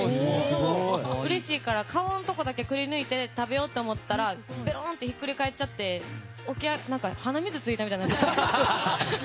うれしいから顔のところだけくり抜いて食べようと思ったらひっくり返っちゃって鼻水がついたみたいになって。